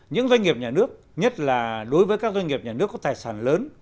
những doanh nghiệp nhà nước nhất là đối với các doanh nghiệp nhà nước có tài sản lớn